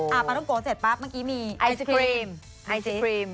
ปปาลุ้มโก่เสร็จปั๊บเมื่อกี้มีไอศครีม